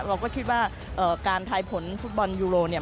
เราก็คิดว่าการทายผลฟุตบอลยูโรเนี่ย